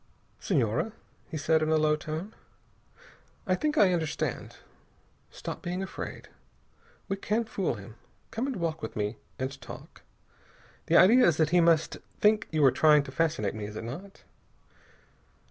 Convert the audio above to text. "Senhora," he said in a low tone, "I think I understand. Stop being afraid. We can fool him. Come and walk with me and talk. The idea is that he must think you are trying to fascinate me, is it not?"